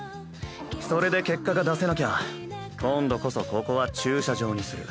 それで結果が出せなきゃ今度こそここは駐車場にする。